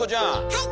はい！